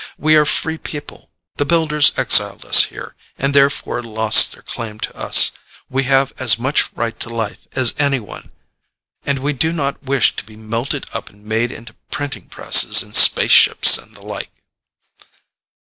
We are free people. The Builders exiled us here, and therefore lost their claim to us. We have as much right to life as anyone, and we do not wish to be melted up and made into printing presses and space ships and the like."